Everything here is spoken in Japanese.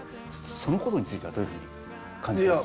そのことについてはどういうふうに感じてますか？